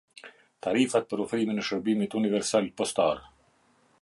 Tarifat për ofrimin e shërbimit universal postar.